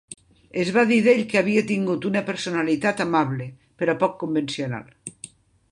Es va dir d 'ell que havia tingut una personalitat amable però poc convencional.